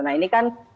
nah ini kan kasiannya